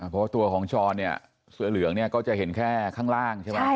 เพราะว่าตัวของช้อนเนี่ยเสื้อเหลืองเนี่ยก็จะเห็นแค่ข้างล่างใช่ไหม